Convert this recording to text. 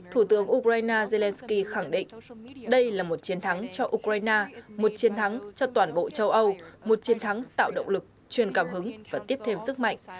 thủ tướng ukraine zelensky khẳng định đây là một chiến thắng cho ukraine một chiến thắng cho toàn bộ châu âu một chiến thắng tạo động lực truyền cảm hứng và tiếp thêm sức mạnh